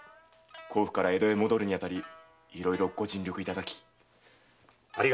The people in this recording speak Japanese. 甲府から江戸へ戻るにあたりいろいろご尽力いただきありがとうございました。